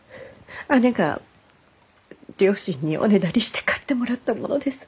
姉が両親におねだりして買ってもらったものです。